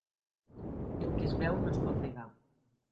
El que es veu no es pot negar.